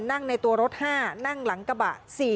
นั่งในตัวรถ๕นั่งหลังกระบะ